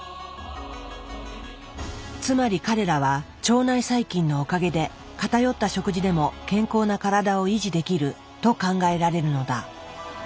つまり彼らは腸内細菌のおかげで偏った食事でも健康な体を維持できると考えられるのだ。